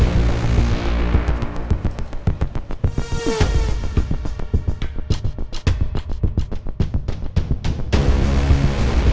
sebentar saya akan telepon sebentar ya